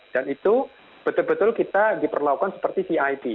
dan itu betul betul kita diperlakukan seperti cip